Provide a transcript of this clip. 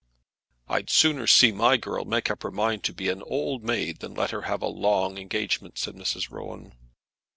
"I'd sooner see my girl make up her mind to be an old maid than let her have a long engagement," said Mrs. Rowan.